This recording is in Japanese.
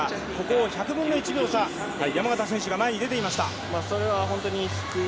１００分の１秒差、山縣選手が前に出ていました。